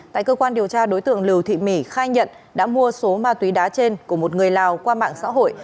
tại cơ quan điều tra đối tượng lưu thị mỉ khai nhận đã mua số ma túy đá trên của một người lào qua mạng xã hội